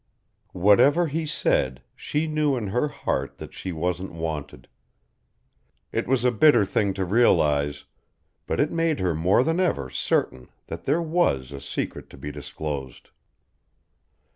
Whatever he said she knew in her heart that she wasn't wanted. It was a bitter thing to realise, but it made her more than ever certain that there was a secret to be disclosed.